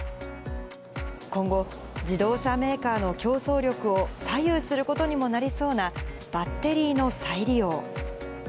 今後、自動車メーカーの競争力を左右することにもなりそうな、バッテリーの再利用。